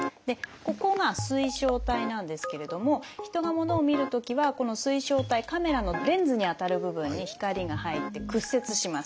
ここが水晶体なんですけれども人が物を見るときはこの水晶体カメラのレンズにあたる部分に光が入って屈折します。